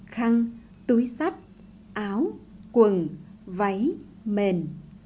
khăn túi sách áo quần váy mền